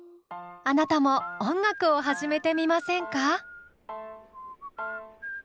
あなたも音楽を始めてみませんか？